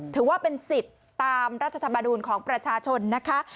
ถือว่าเป็นสิทธิ์ตามรัฐธรรมนูลของประชาชนนะคะ